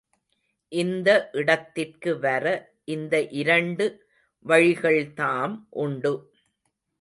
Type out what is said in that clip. இந்த இடத்திற்கு வர இந்த இரண்டு வழிகள் தாம் உண்டு.